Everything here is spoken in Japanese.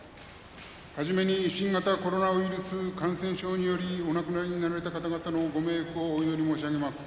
はじめに新型コロナウイルス感染症によりお亡くなりになられた方々のご冥福を、お祈り申し上げます。